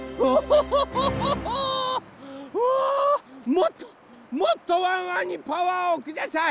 もっともっとワンワンにパワーをください！